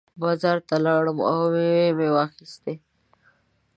بازار ته لاړم او مېوې مې واخېستې.